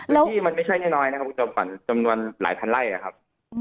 เรื่องที่มันไม่ใช่น้อยนะครับจำนวนหลายพันไล่นะครับ